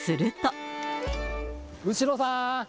後呂さん！